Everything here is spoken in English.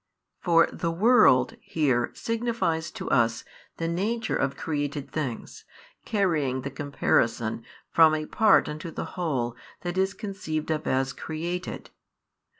For the world here signifies to us the nature of created things, carrying the comparison from a part unto the whole that is conceived of as created.